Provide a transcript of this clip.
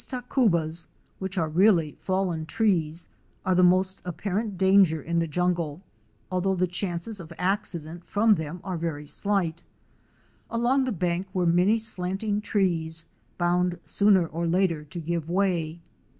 279 These tacubas, which are really fallen trees, are the most apparent danger in the jungle, although the chances of accident from them are very slight. Along the bank were many slanting trees, bound sooner or later to give way.